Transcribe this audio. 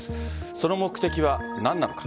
その目的は何なのか。